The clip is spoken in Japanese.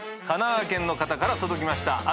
神奈川県の方から届きました。